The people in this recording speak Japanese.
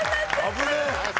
危ねえ。